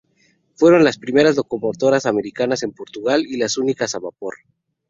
Fueron las primeras locomotoras americanas en Portugal, y las únicas a vapor.